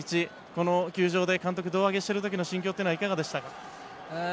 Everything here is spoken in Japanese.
この球場で監督を胴上げしている時の心境というのはいかがでしたか？